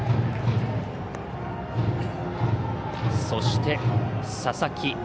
そして、佐々木。